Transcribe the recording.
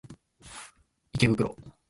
池袋